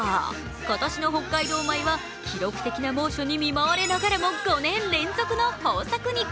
今年の北海道米は記録的な猛暑に見舞われながらも５年連続の豊作に。